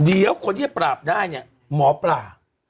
เดี๋ยวคนที่จะปราบได้เนี่ยหมอปลา